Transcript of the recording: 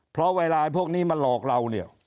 เพราะเวลาพวกนี้มันหลอกเรา